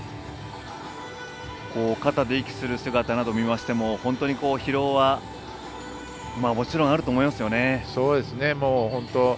肩で息をする姿などを見ましても本当に疲労はもちろんあると思いますよね。